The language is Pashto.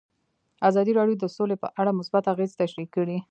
ازادي راډیو د سوله په اړه مثبت اغېزې تشریح کړي.